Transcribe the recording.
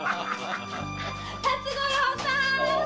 辰五郎さん！